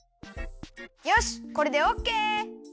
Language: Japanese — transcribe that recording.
よしこれでオッケー！